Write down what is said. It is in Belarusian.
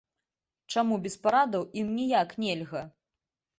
Чаму без парадаў ім ніяк нельга?